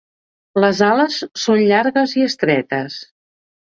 Les ales són llargues i estretes.